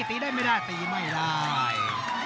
ตีได้ไม่ได้ตีไม่ได้